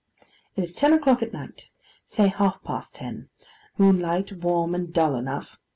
It is ten o'clock at night: say half past ten: moonlight, warm, and dull enough.